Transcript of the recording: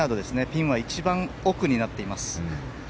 ピンは一番奥になっています。